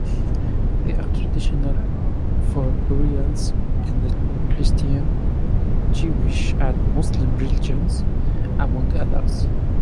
They are traditional for burials in the Christian, Jewish and Muslim religions, among others.